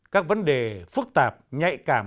các vấn đề phức tạp nhạy cảm